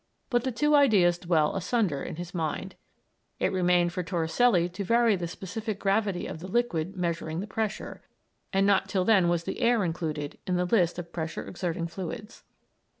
But the two ideas dwelt asunder in his mind. It remained for Torricelli to vary the specific gravity of the liquid measuring the pressure, and not till then was the air included in the list of pressure exerting fluids.